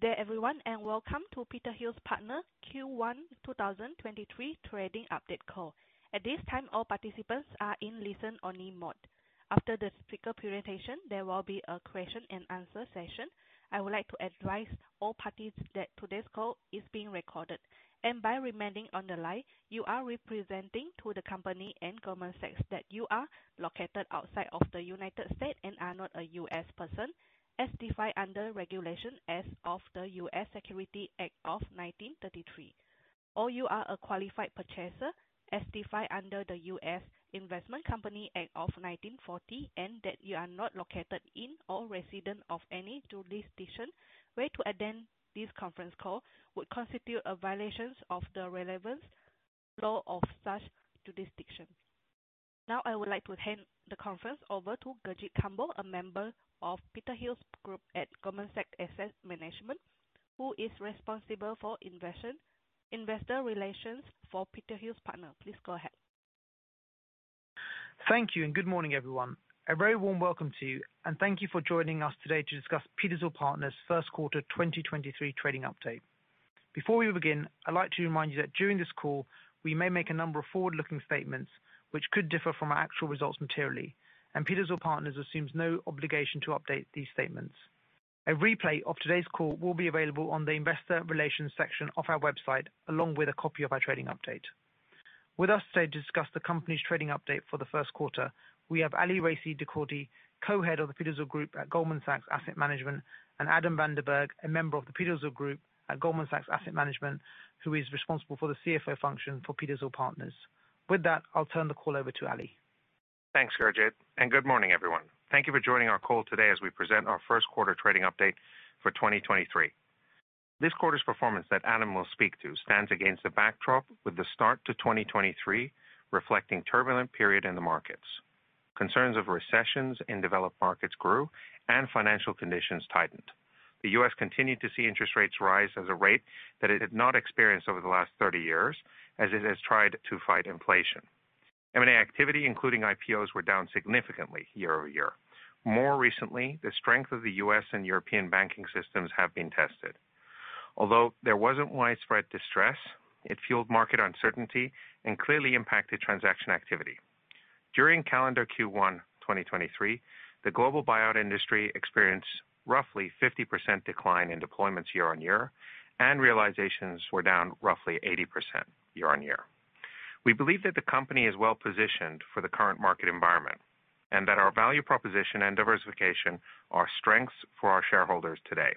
Good day everyone, and welcome to Petershill Partners Q1 2023 trading update call. At this time, all participants are in listen-only mode. After the speaker presentation, there will be a question and answer session. I would like to advise all parties that today's call is being recorded. By remaining on the line, you are representing to the company and Goldman Sachs that you are located outside of the United States and are not a U.S. person, as defined under Regulation S of the U.S. Securities Act of 1933. You are a qualified purchaser, as defined under the U.S. Investment Company Act of 1940, and that you are not located in or resident of any jurisdiction where to attend this Conference Call would constitute a violation of the relevant law of such jurisdiction. I would like to hand the conference over to Gurjit Kambo, a member of Petershill group at Goldman Sachs Asset Management, who is responsible for investor relations for Petershill Partners. Please go ahead. Thank you. Good morning everyone. A very warm welcome to you, and thank you for joining us today to discuss Petershill Partners' first quarter 2023 trading update. Before we begin, I'd like to remind you that during this call, we may make a number of forward-looking statements which could differ from our actual results materially, and Petershill Partners assumes no obligation to update these statements. A replay of today's call will be available on the investor relations section of our website, along with a copy of our trading update. With us today to discuss the company's trading update for the first quarter, we have Ali Raissi-Dehkordy, co-head of the Petershill Group at Goldman Sachs Asset Management, and Adam Van de Berghe, a member of the Petershill Group at Goldman Sachs Asset Management, who is responsible for the CFO function for Petershill Partners. With that, I'll turn the call over to Ali. Thanks, Gurjit, and good morning, everyone. Thank you for joining our call today as we present our first quarter trading update for 2023. This quarter's performance that Adam will speak to stands against the backdrop with the start to 2023 reflecting turbulent period in the markets. Concerns of recessions in developed markets grew and financial conditions tightened. The U.S. continued to see interest rates rise at a rate that it had not experienced over the last 30 years as it has tried to fight inflation. M&A activity, including IPOs, were down significantly year-over-year. More recently, the strength of the U.S. and European banking systems have been tested. Although there wasn't widespread distress, it fueled market uncertainty and clearly impacted transaction activity. During calendar Q1 2023, the global buyout industry experienced roughly 50% decline in deployments year-on-year, and realizations were down roughly 80% year-on-year. We believe that the company is well-positioned for the current market environment, and that our value proposition and diversification are strengths for our shareholders today.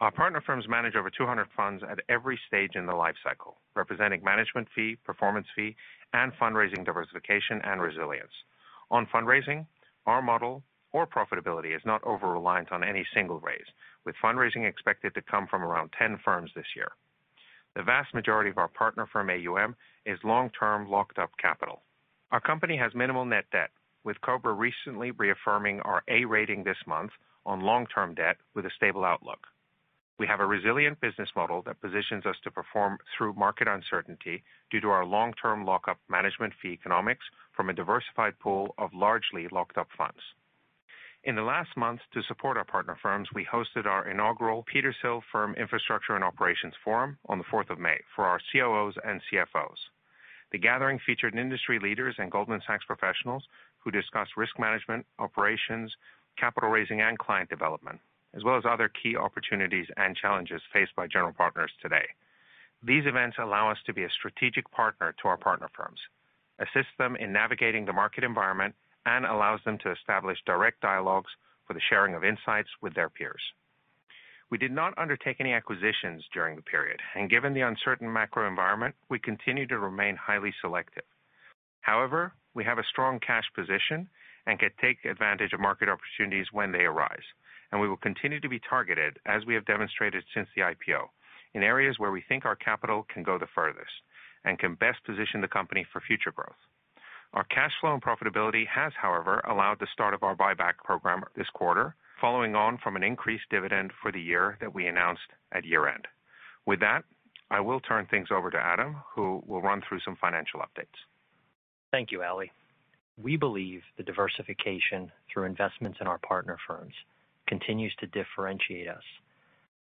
Our partner firms manage over 200 funds at every stage in the lifecycle, representing management fee, performance fee, and fundraising diversification and resilience. On fundraising, our model or profitability is not over-reliant on any single raise, with fundraising expected to come from around 10 firms this year. The vast majority of our partner firm AUM is long-term locked up capital. Our company has minimal net debt, with KBRA recently reaffirming our A rating this month on long-term debt with a stable outlook. We have a resilient business model that positions us to perform through market uncertainty due to our long-term lockup management fee economics from a diversified pool of largely locked up funds. In the last month, to support our partner firms, we hosted our inaugural Petershill Firm Infrastructure and Operations Forum on the fourth of May for our COOs and CFOs. The gathering featured industry leaders and Goldman Sachs professionals who discussed risk management, operations, capital raising, and client development, as well as other key opportunities and challenges faced by general partners today. These events allow us to be a strategic partner to our partner firms, assist them in navigating the market environment, and allows them to establish direct dialogues for the sharing of insights with their peers. We did not undertake any acquisitions during the period. Given the uncertain macro environment, we continue to remain highly selective. We have a strong cash position and can take advantage of market opportunities when they arise, and we will continue to be targeted, as we have demonstrated since the IPO, in areas where we think our capital can go the furthest and can best position the company for future growth. Our cash flow and profitability has, however, allowed the start of our buyback program this quarter, following on from an increased dividend for the year that we announced at year-end. With that, I will turn things over to Adam, who will run through some financial updates. Thank you, Ali. We believe the diversification through investments in our partner firms continues to differentiate us.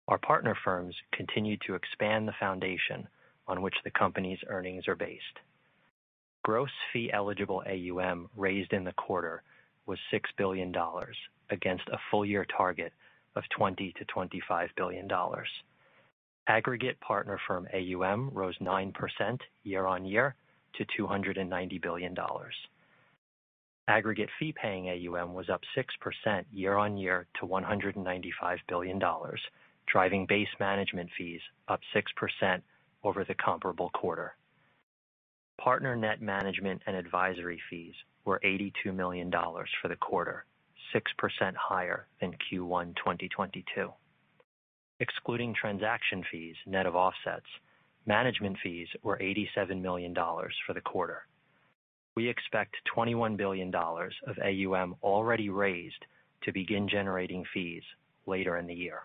Our partner firms continue to expand the foundation on which the company's earnings are based. Gross Fee-eligible AuM raised in the quarter was $6 billion against a full year target of $20 billion-$25 billion. Aggregate partner firm AuM rose 9% year-on-year to $290 billion. Aggregate Fee-paying AuM was up 6% year-on-year to $195 billion, driving base management fees up 6% over the comparable quarter. Partner Net Management and Advisory Fees were $82 million for the quarter, 6% higher than Q1 2022. Excluding transaction fees net of offsets, management fees were $87 million for the quarter. We expect $21 billion of AUM already raised to begin generating fees later in the year.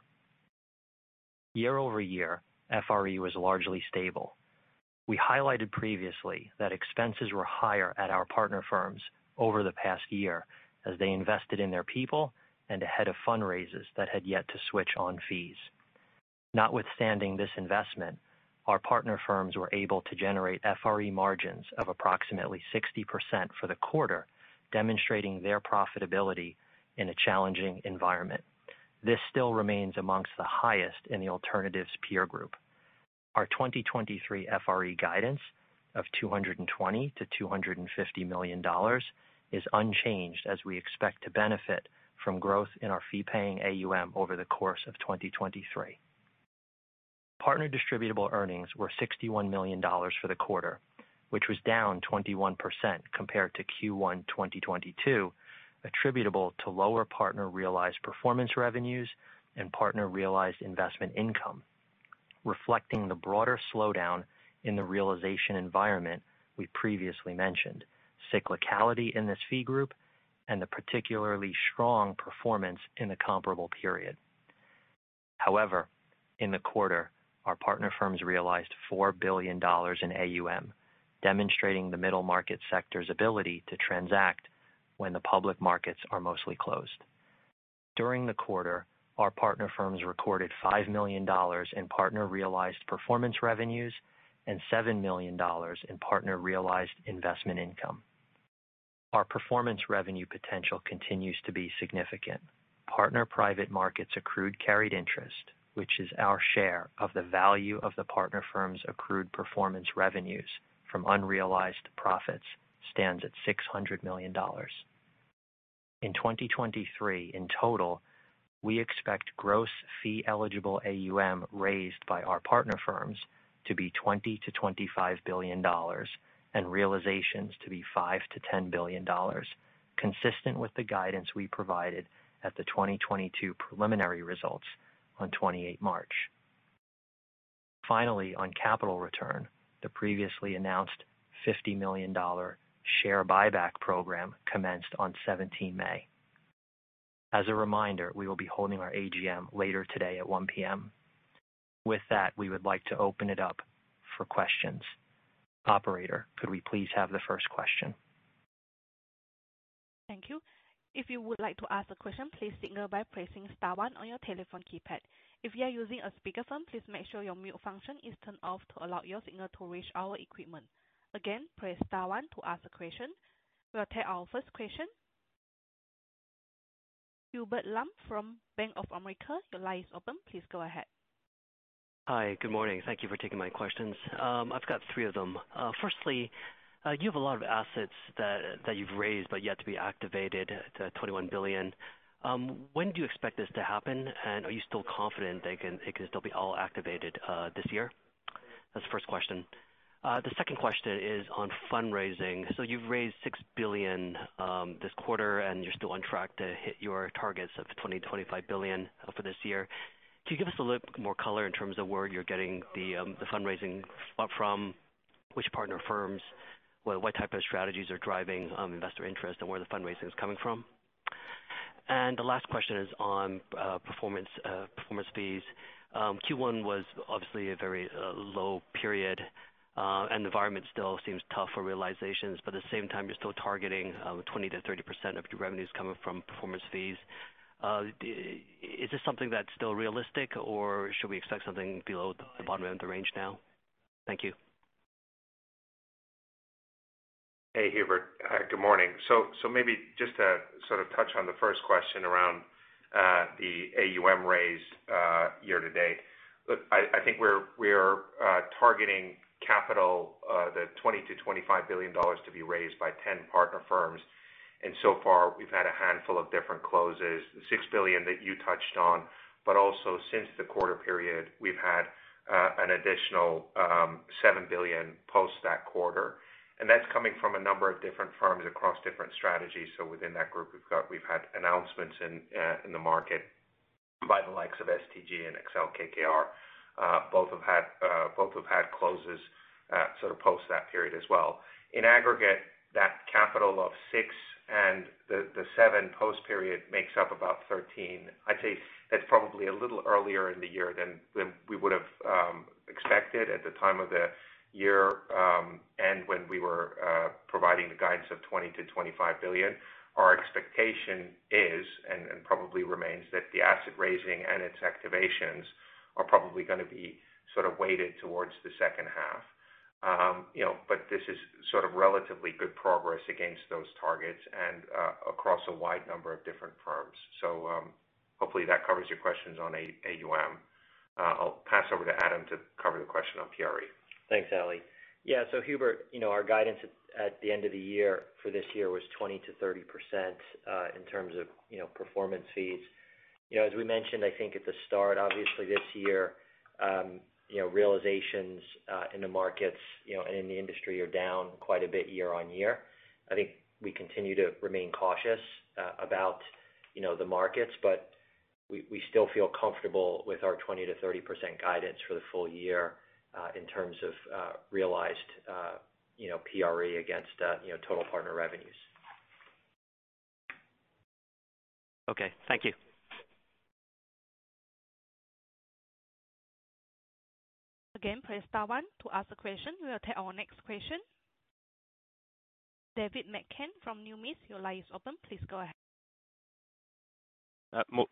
Year over year, FRE was largely stable. We highlighted previously that expenses were higher at our partner firms over the past year as they invested in their people and ahead of fundraises that had yet to switch on fees. Notwithstanding this investment, our partner firms were able to generate FRE margins of approximately 60% for the quarter, demonstrating their profitability in a challenging environment. This still remains amongst the highest in the alternatives peer group. Our 2023 FRE guidance of $220 million-$250 million is unchanged as we expect to benefit from growth in our fee-paying AuM over the course of 2023. Partner distributable earnings were $61 million for the quarter, which was down 21% compared to Q1 2022, attributable to lower Partner Realised Performance Revenues and Partner Realised Investment Income, reflecting the broader slowdown in the realization environment we previously mentioned, cyclicality in this fee group, and the particularly strong performance in the comparable period. In the quarter, our partner firms realized $4 billion in AUM, demonstrating the middle market sector's ability to transact when the public markets are mostly closed. During the quarter, our partner firms recorded $5 million in Partner Realised Performance Revenues and $7 million in Partner Realised Investment Income. Our performance revenue potential continues to be significant. Partner Private Markets Accrued Carried Interest, which is our share of the value of the partner firm's accrued performance revenues from unrealized profits, stands at $600 million. In 2023, in total, we expect gross Fee-eligible AuM raised by our partner firms to be $20 billion-$25 billion and realizations to be $5 billion-$10 billion, consistent with the guidance we provided at the 2022 preliminary results on 28th March. On capital return, the previously announced $50 million share buyback program commenced on May 17. As a reminder, we will be holding our AGM later today at 1:00 P.M. We would like to open it up for questions. Operator, could we please have the first question? Thank you. If you would like to ask a question, please signal by pressing star one on your telephone keypad. If you are using a speakerphone, please make sure your mute function is turned off to allow your signal to reach our equipment. Again, press star one to ask a question. We'll take our first question. Hubert Lam from Bank of America. Your line is open. Please go ahead. Hi. Good morning. Thank you for taking my questions. I've got three of them. Firstly, you have a lot of assets that you've raised but yet to be activated, $21 billion. When do you expect this to happen, and are you still confident it can still be all activated this year? That's the first question. The second question is on fundraising. You've raised $6 billion this quarter, and you're still on track to hit your targets of $20 billion-$25 billion for this year. Can you give us a little more color in terms of where you're getting the fundraising from, which partner firms, what type of strategies are driving investor interest and where the fundraising is coming from? The last question is on performance fees. Q1 was obviously a very low period, and the environment still seems tough for realizations, but at the same time, you're still targeting 20%-30% of your revenues coming from performance fees. Is this something that's still realistic, or should we expect something below the bottom end of the range now? Thank you. Hey, Hubert. Good morning. Maybe just to sort of touch on the first question around the AUM raise year to date. Look, I think we're targeting capital, the $20 billion-$25 billion to be raised by 10 partner firms. So far we've had a handful of different closes, the $6 billion that you touched on. Also since the quarter period, we've had an additional $7 billion post that quarter, and that's coming from a number of different firms across different strategies. Within that group, we've had announcements in the market by the likes of STG and Accel-KKR. Both have had closes sort of post that period as well. In aggregate, that capital of $6 billion and the $7 billion post period makes up about $13 billion. I'd say that's probably a little earlier in the year than we would've expected at the time of the year, and when we were providing the guidance of $20 billion-$25 billion. Our expectation is and probably remains that the asset raising and its activations are probably gonna be sort of weighted towards the second half. You know, but this is sort of relatively good progress against those targets and across a wide number of different firms. Hopefully that covers your questions on AUM. I'll pass over to Adam to cover the question on PRE. Thanks, Ali. Yeah. Hubert, you know our guidance at the end of the year for this year was 20%-30% in terms of, you know, performance fees. You know, as we mentioned, I think at the start, obviously this year, you know, realizations in the markets, you know, and in the industry are down quite a bit year-on-year. I think we continue to remain cautious about, you know, the markets, but we still feel comfortable with our 20%-30% guidance for the full year in terms of realized, you know, PRE against, you know, total partner revenues. Okay. Thank you. Again, press star one to ask a question. We'll take our next question. David McCann from Numis, your line is open. Please go ahead.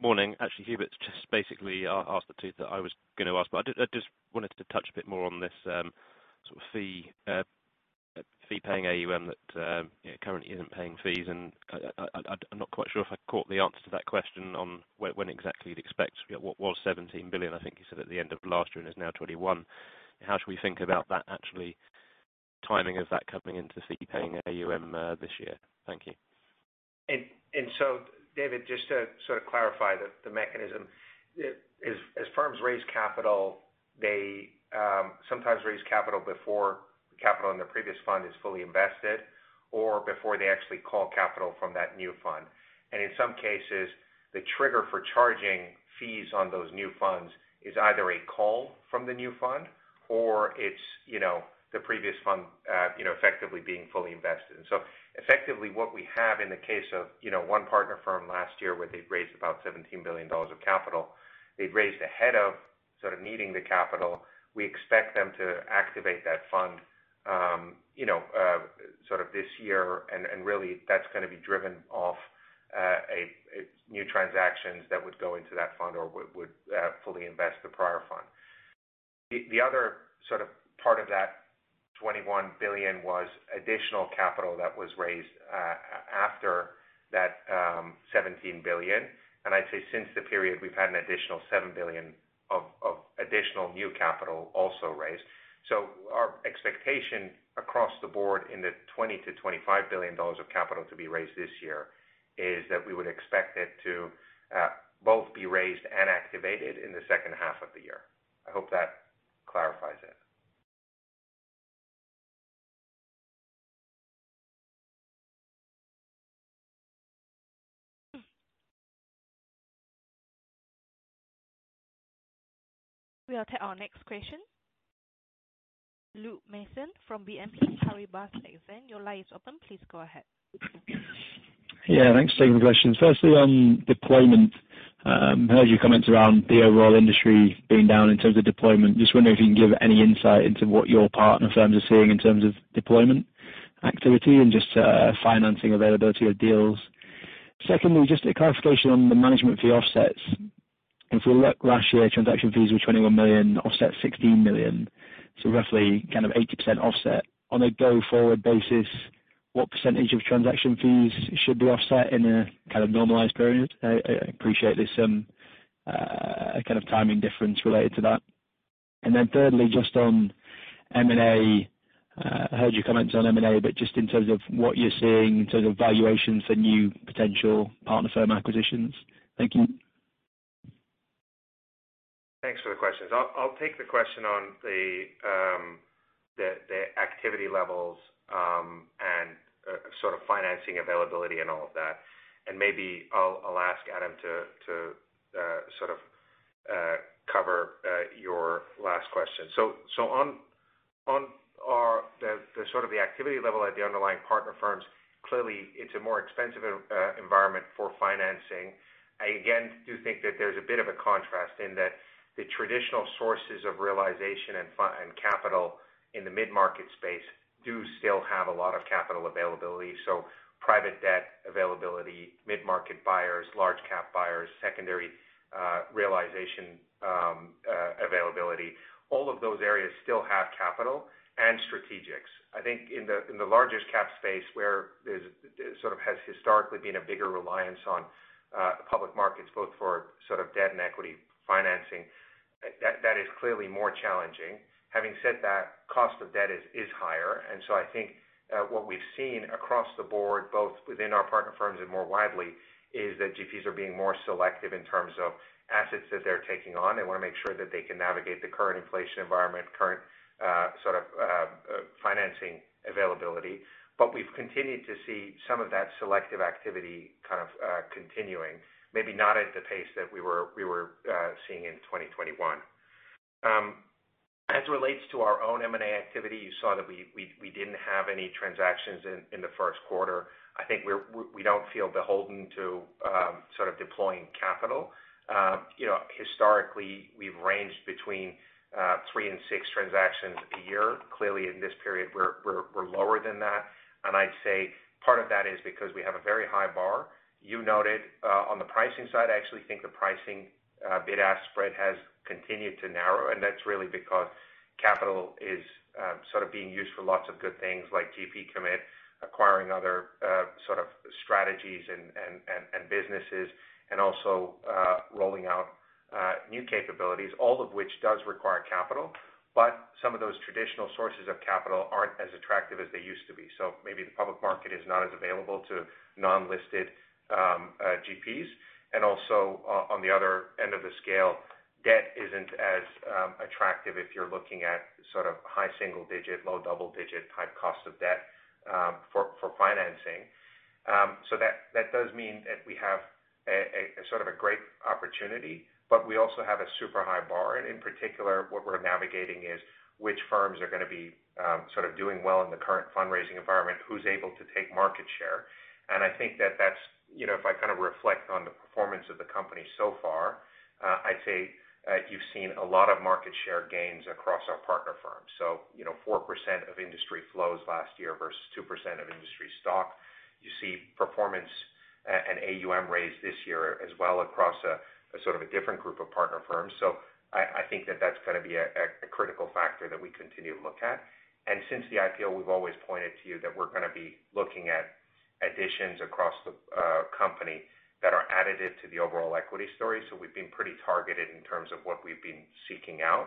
Morning. Actually, Hubert's just basically asked the two that I was gonna ask, but I just wanted to touch a bit more on this, sort of fee, Fee-paying AuM that, you know, currently isn't paying fees. I'm not quite sure if I caught the answer to that question on when exactly you'd expect... Yeah, what was $17 billion, I think you said at the end of last year and is now $21 billion. How should we think about that actually timing of that coming into Fee-paying AuM this year? Thank you. David, just to sort of clarify the mechanism. As firms raise capital they sometimes raise capital before the capital in the previous fund is fully invested or before they actually call capital from that new fund. In some cases, the trigger for charging fees on those new funds is either a call from the new fund or it's, you know, the previous fund, you know, effectively being fully invested. Effectively what we have in the case of, you know, one partner firm last year where they'd raised about $17 billion of capital, they'd raised ahead of sort of needing the capital. We expect them to activate that fund, you know, sort of this year. Really that's gonna be driven off new transactions that would go into that fund or fully invest the prior fund. The other sort of part of that $21 billion was additional capital that was raised after that $17 billion. I'd say since the period, we've had an additional $7 billion of additional new capital also raised. Our expectation across the board in the $20 billion-$25 billion of capital to be raised this year is that we would expect it to both be raised and activated in the second half of the year. I hope that clarifies it. We'll take our next question. Luke Mason from BNP Paribas Exane, your line is open. Please go ahead. Thanks for taking the question. Firstly, on deployment, heard your comments around the overall industry being down in terms of deployment. Just wondering if you can give any insight into what your partner firms are seeing in terms of deployment activity and just financing availability of deals. Secondly, just a clarification on the management fee offsets. If you look last year, transaction fees were $21 million, offsets $16 million, so roughly kind of 80% offset. On a go forward basis, what percentage of transaction fees should be offset in a kind of normalized period? I appreciate there's some a kind of timing difference related to that. Thirdly, just on M&A, heard your comments on M&A, but just in terms of what you're seeing in terms of valuations for new potential partner firm acquisitions. Thank you. Thanks for the questions. I'll take the question on the activity levels and sort of financing availability and all of that. Maybe I'll ask Adam to sort of cover your last question. The sort of the activity level at the underlying partner firms, clearly it's a more expensive environment for financing. I again, do think that there's a bit of a contrast in that the traditional sources of realization and capital in the mid-market space do still have a lot of capital availability. Private debt availability, mid-market buyers, large cap buyers, secondary realization availability, all of those areas still have capital and strategics. I think in the, in the largest cap space where there's sort of has historically been a bigger reliance on public markets both for sort of debt and equity financing, that is clearly more challenging. Having said that, cost of debt is higher. I think what we've seen across the board, both within our partner firms and more widely, is that GPs are being more selective in terms of assets that they're taking on. They wanna make sure that they can navigate the current inflation environment, current, sort of, financing availability. We've continued to see some of that selective activity kind of continuing, maybe not at the pace that we were seeing in 2021. As it relates to our own M&A activity, you saw that we didn't have any transactions in the first quarter. I think we don't feel beholden to sort of deploying capital. You know, historically, we've ranged between three and six transactions a year. Clearly, in this period, we're lower than that. I'd say part of that is because we have a very high bar. You noted on the pricing side, I actually think the pricing bid-ask spread has continued to narrow, and that's really because capital is sort of being used for lots of good things like GP commitment, acquiring other sort of strategies and businesses, and also rolling out new capabilities, all of which does require capital. Some of those traditional sources of capital aren't as attractive as they used to be. Maybe the public market is not as available to non-listed GPs. Also on the other end of the scale, debt isn't as attractive if you're looking at sort of high single-digit, low double-digit type cost of debt for financing. That, that does mean that we have a sort of a great opportunity, but we also have a super high bar. In particular, what we're navigating is which firms are gonna be sort of doing well in the current fundraising environment, who's able to take market share. I think that that's, you know, if I kind of reflect on the performance of the company so far, I'd say, you've seen a lot of market share gains across our partner firms. You know, 4% of industry flows last year versus 2% of industry stock. You see performance-An AUM raise this year as well across a sort of a different group of partner firms. I think that that's gonna be a critical factor that we continue to look at. Since the IPO, we've always pointed to you that we're gonna be looking at additions across the company that are additive to the overall equity story. We've been pretty targeted in terms of what we've been seeking out.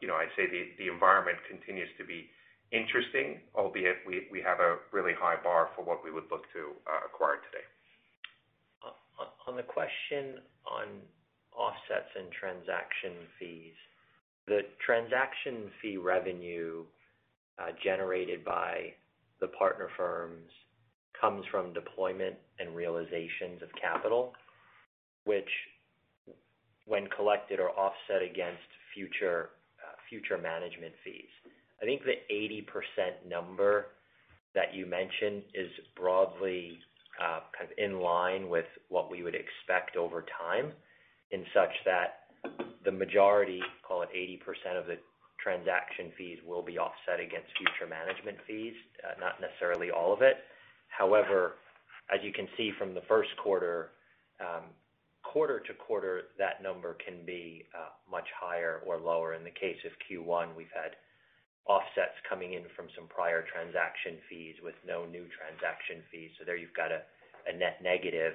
You know, I'd say the environment continues to be interesting, albeit we have a really high bar for what we would look to acquire today. On the question on offsets and transaction fees, the transaction fee revenue generated by the partner firms comes from deployment and realizations of capital, which when collected are offset against future management fees. I think the 80% number that you mentioned is broadly kind of in line with what we would expect over time, in such that the majority, call it 80% of the transaction fees, will be offset against future management fees, not necessarily all of it. However, as you can see from the first quarter to quarter, that number can be much higher or lower. In the case of Q1, we've had offsets coming in from some prior transaction fees with no new transaction fees. There you've got a net negative.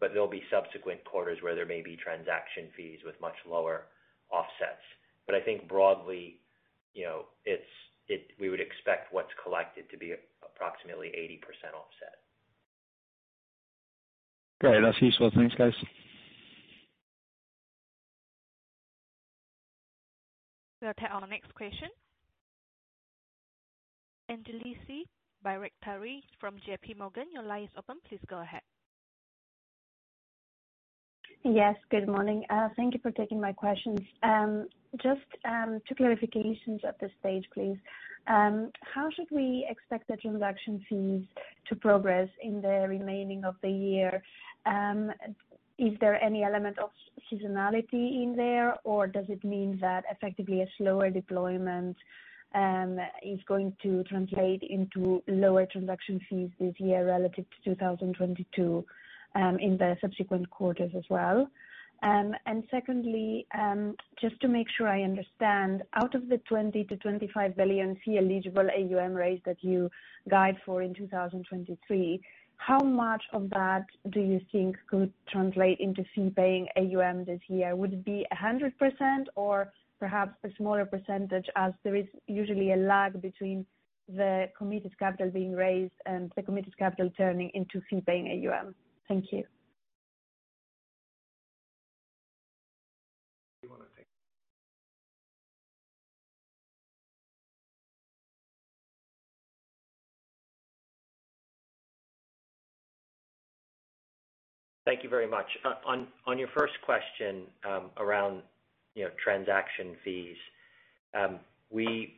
There'll be subsequent quarters where there may be transaction fees with much lower offsets. I think broadly, you know, we would expect what's collected to be approximately 80% offset. Great. That's useful. Thanks, guys. We'll take our next question. Angeliki Bairaktari from J.P. Morgan, your line is open. Please go ahead. Yes, good morning. Thank you for taking my questions. Just, two clarifications at this stage, please. How should we expect the transaction fees to progress in the remaining of the year? Is there any element of seasonality in there, or does it mean that effectively a slower deployment, is going to translate into lower transaction fees this year relative to 2022, in the subsequent quarters as well? Secondly, just to make sure I understand, out of the $20 billion-$25 billion Fee-eligible AuM raise that you guide for in 2023, how much of that do you think could translate into Fee-paying AuM this year? Would it be 100% or perhaps a smaller percentage as there is usually a lag between the committed capital being raised and the committed capital turning into Fee-paying AuM? Thank you. Thank you very much. On your first question, around, you know, transaction fees, we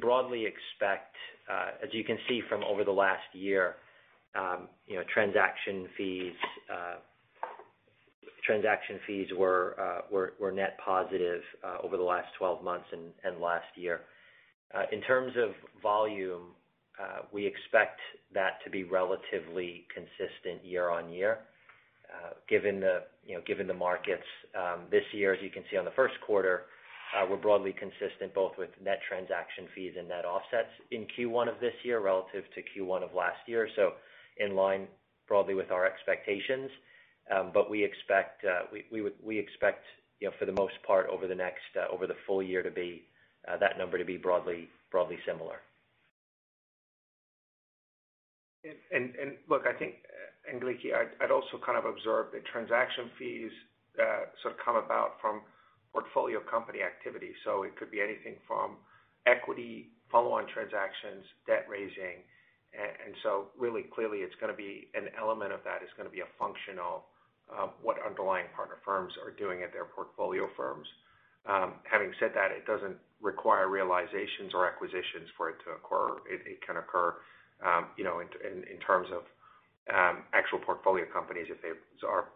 broadly expect, as you can see from over the last year, you know, transaction fees were net positive over the last 12 months and last year. In terms of volume, we expect that to be relatively consistent year-on-year, given the, you know, given the markets this year. As you can see on the first quarter, we're broadly consistent both with net transaction fees and net offsets in Q1 of this year relative to Q1 of last year. In line broadly with our expectations. We expect, you know, for the most part over the next, over the full year to be, that number to be broadly similar. Look, I think, Angeliki, I'd also kind of observe that transaction fees sort of come about from portfolio company activity. It could be anything from equity follow-on transactions, debt raising. Really clearly it's gonna be an element of that is gonna be a function of what underlying partner firms are doing at their portfolio firms. Having said that, it doesn't require realizations or acquisitions for it to occur. It can occur, you know, in terms of actual portfolio companies if they are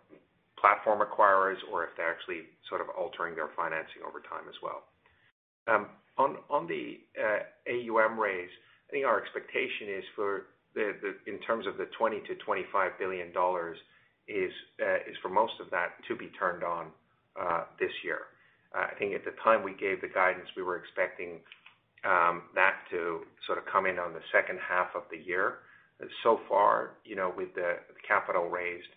platform acquirers or if they're actually sort of altering their financing over time as well. On the AUM raise, I think our expectation is for the in terms of the $20 billion-$25 billion is for most of that to be turned on this year. I think at the time we gave the guidance, we were expecting that to sort of come in on the second half of the year. So far, you know, with the capital raised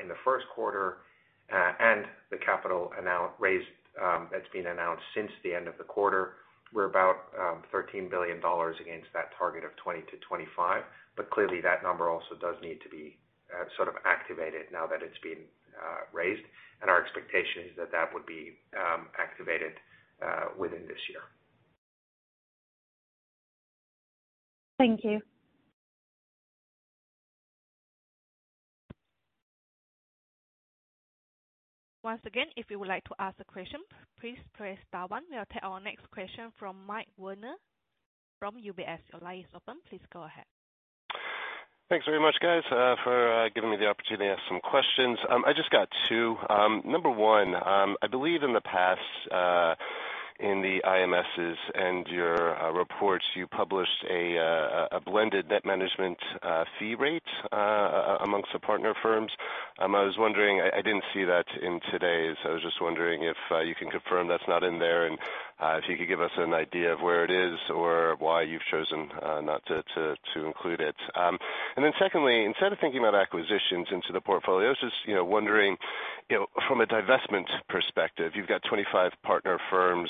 in the first quarter, and the capital raised that's been announced since the end of the quarter, we're about $13 billion against that target of $20 billion-$25 billion. Clearly that number also does need to be sort of activated now that it's been raised. Our expectation is that that would be activated within this year. Thank you. Once again, if you would like to ask a question, please press star 1. We'll take our next question from Michael Werner from UBS. Your line is open. Please go ahead. Thanks very much, guys, for giving me the opportunity to ask some questions. I just got two. Number 1, I believe in the past, in the IMSs and your reports, you published a blended net management fee rate amongst the partner firms. I was wondering, I didn't see that in today's. I was just wondering if you can confirm that's not in there, and if you could give us an idea of where it is or why you've chosen not to include it. Secondly, instead of thinking about acquisitions into the portfolios, just, you know, wondering, you know, from a divestment perspective, you've got 25 partner firms.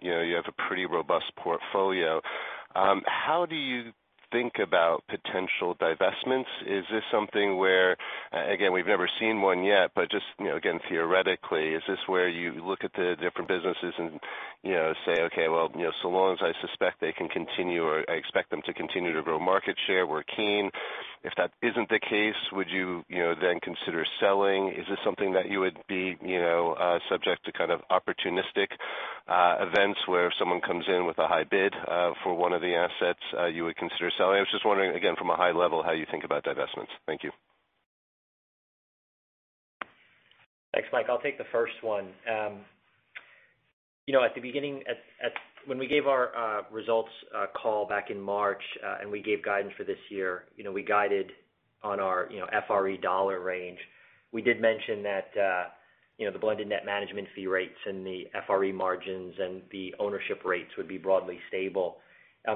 You know, you have a pretty robust portfolio. How do you think about potential divestments? Is this something where... We've never seen one yet, but just, you know, again, theoretically, is this where you look at the different businesses and, you know, say, "Okay, well, you know, so long as I suspect they can continue or I expect them to continue to grow market share, we're keen"? If that isn't the case, would you know, then consider selling? Is this something that you would be, you know, subject to kind of opportunistic events where if someone comes in with a high bid for one of the assets, you would consider selling? I was just wondering, again, from a high level, how you think about divestments. Thank you. Thanks, Michael Werner. I'll take the first one. You know, at the beginning, when we gave our results call back in March, and we gave guidance for this year, you know, we guided on our, you know, FRE dollar range. We did mention that, you know, the blended net management fee rates and the FRE margins and the ownership rates would be broadly stable.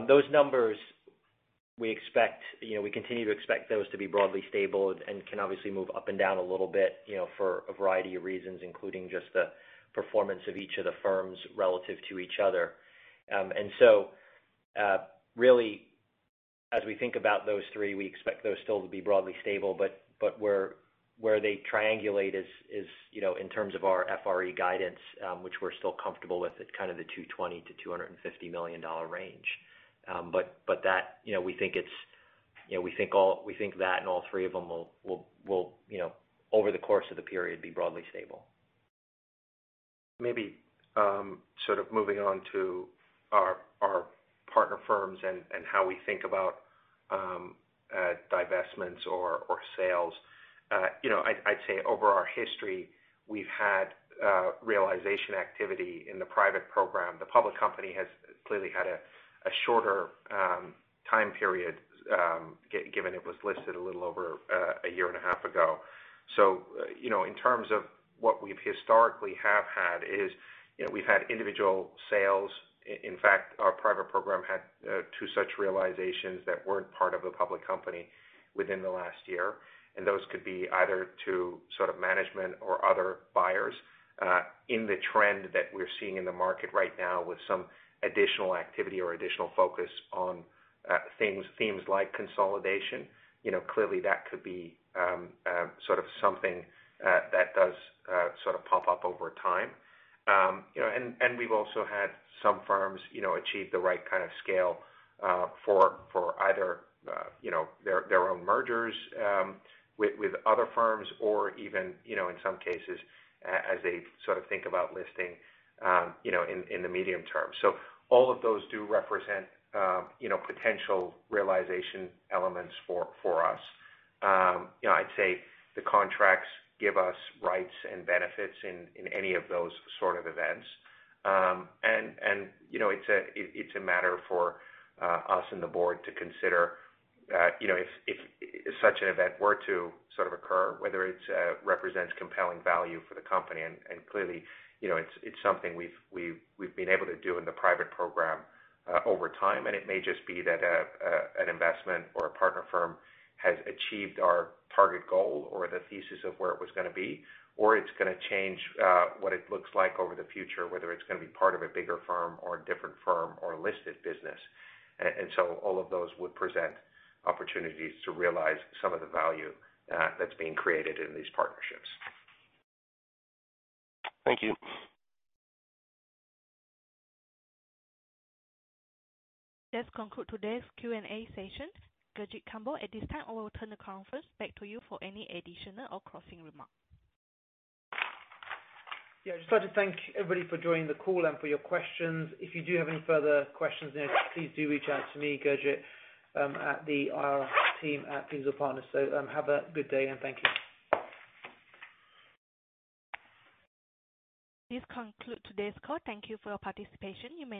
Those numbers we expect, you know, we continue to expect those to be broadly stable and can obviously move up and down a little bit, you know, for a variety of reasons, including just the performance of each of the firms relative to each other. Really, as we think about those three, we expect those still to be broadly stable, but where they triangulate is, you know, in terms of our FRE guidance, which we're still comfortable with, it's kind of the $220 million-$250 million range. That, you know, we think it's. You know, we think that and all three of them will, you know, over the course of the period, be broadly stable. Maybe, sort of moving on to our partner firms and how we think about, divestments or, sales. You know, I'd say over our history, we've had realization activity in the private program. The public company has clearly had a shorter time period, given it was listed a little over 1.5 years ago. You know, in terms of what we've historically have had is, you know, we've had individual sales. In fact, our private program had 2 such realizations that weren't part of the public company within the last year, and those could be either to sort of management or other buyers. In the trend that we're seeing in the market right now with some additional activity or additional focus on things, themes like consolidation, you know, clearly that could be sort of something that does sort of pop up over time. You know, and we've also had some firms, you know, achieve the right kind of scale for either, you know, their own mergers with other firms or even, you know, in some cases, as they sort of think about listing, you know, in the medium term. All of those do represent, you know, potential realization elements for us. You know, I'd say the contracts give us rights and benefits in any of those sort of events. You know, it's a matter for us and the board to consider, you know, if such an event were to sort of occur, whether it represents compelling value for the company. Clearly, you know, it's something we've been able to do in the private program over time, and it may just be that an investment or a partner firm has achieved our target goal or the thesis of where it was gonna be, or it's gonna change what it looks like over the future, whether it's gonna be part of a bigger firm or a different firm or a listed business. So all of those would present opportunities to realize some of the value that's being created in these partnerships. Thank you. This conclude today's Q&A session. Gurjit Kambo, at this time, I will turn the conference back to you for any additional or closing remarks. Yeah, I'd just like to thank everybody for joining the call and for your questions. If you do have any further questions, please do reach out to me, Gurjit, at the IR team at Petershill Partners. Have a good day, and thank you. This conclude today's call. Thank you for your participation. You may.